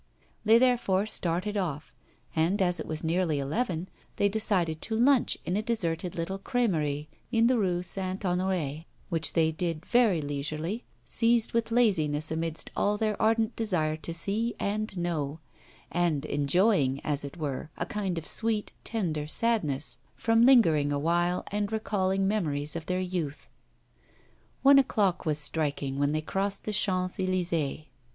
They therefore started off, and as it was nearly eleven, they decided to lunch in a deserted little crèmerie in the Rue St. Honoré, which they did very leisurely, seized with laziness amidst all their ardent desire to see and know; and enjoying, as it were, a kind of sweet, tender sadness from lingering awhile and recalling memories of their youth. One o'clock was striking when they crossed the Champs Elysées.